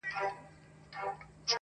خریې ځانته وو تر تلو نیژدې کړی؛